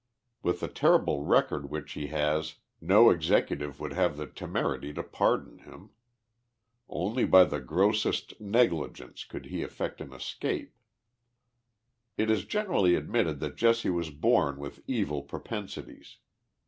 With the terrible record which he has no exective would have the temerity to pardon him. Only by the grossest negligence could he effect an escape. It is generally admitted that Jesse was born with evil propen sities.